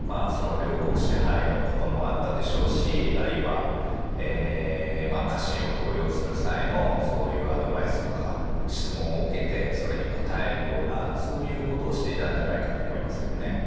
領国支配のこともあったでしょうしあるいは家臣を登用する際のそういうアドバイスとか質問を受けてそれに答えるようなそういうことをしていたんじゃないかと思いますけどね。